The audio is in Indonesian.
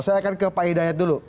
saya akan ke pak hidayat dulu